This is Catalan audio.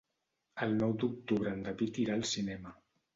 El nou d'octubre en David irà al cinema.